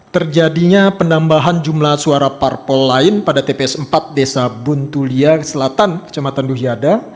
terjadinya penambahan jumlah suara parpol lain pada tps empat desa buntulia selatan kecamatan duyada